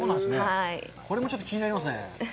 これもちょっと気になりますね。